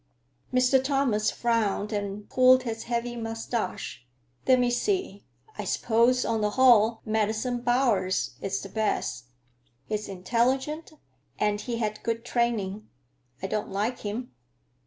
Mr. Thomas frowned and pulled his heavy mustache. "Let me see; I suppose on the whole Madison Bowers is the best. He's intelligent, and he had good training. I don't like him."